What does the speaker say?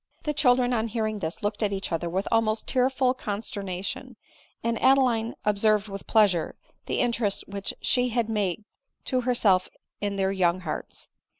The children on hearing this looked at each other with almost tearful consternation ; and Adeline observed with pleasure, the interest which she had made to herself in their young hearts.